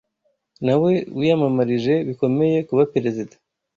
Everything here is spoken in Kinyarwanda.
nawe wiyamamarije bikomeye kuba perezida